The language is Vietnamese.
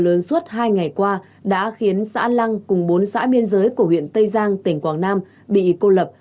mưa lớn suốt hai ngày qua đã khiến xã lăng cùng bốn xã biên giới của huyện tây giang tỉnh quảng nam bị cô lập